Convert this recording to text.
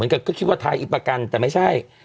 ก็คิดว่าท้ายอีกประกันแต่ไม่ใช่